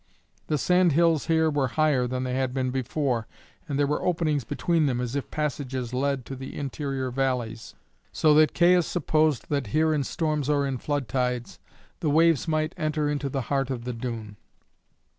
The sandhills here were higher than they had been before, and there were openings between them as if passages led into the interior valleys, so that Caius supposed that here in storms or in flood tides the waves might enter into the heart of the dune.